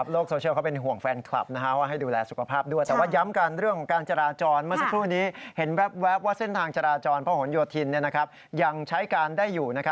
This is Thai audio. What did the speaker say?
แล้วก็สภาพอากาศดูอุณหภูมิ